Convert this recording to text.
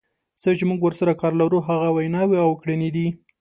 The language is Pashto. څه چې موږ ورسره کار لرو هغه ویناوې او کړنې دي.